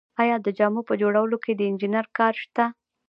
آیا د جامو په جوړولو کې د انجینر کار شته